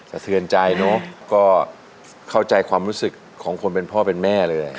สะเทือนใจเนอะก็เข้าใจความรู้สึกของคนเป็นพ่อเป็นแม่เลย